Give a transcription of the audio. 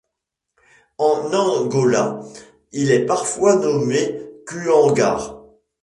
En Angola, il est parfois nommé cuangar.